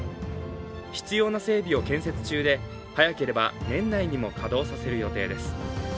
必要な整備を建設中で早ければ年内にも稼働させる予定です。